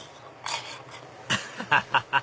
アハハハ！